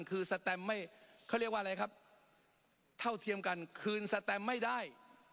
คือสแตมไม่เขาเรียกว่าอะไรครับเท่าเทียมกันคืนสแตมไม่ได้